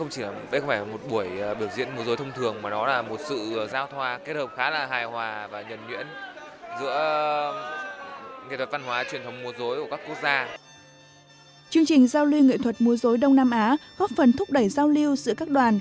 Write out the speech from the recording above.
chương trình giao lưu nghệ thuật mua dối đông nam á góp phần thúc đẩy giao lưu giữa các đoàn